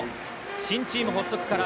新チーム発足から